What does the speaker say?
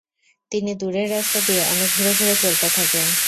তিনি দূরের রাস্তা দিয়ে অনেক ঘুরে ঘুরে চলতে থাকেন।